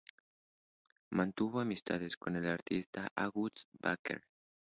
Mantuvo amistad con el artista August Becker.